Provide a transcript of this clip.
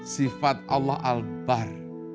sifat allah al bahr